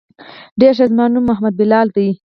ډېر ښه زما نوم محمد بلال ديه.